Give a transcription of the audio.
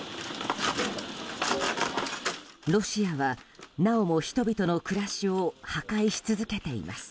ロシアは、なおも人々の暮らしを破壊し続けています。